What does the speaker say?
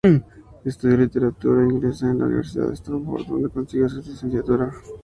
Estudió Literatura inglesa en la Universidad de Stanford donde consiguió su licenciatura.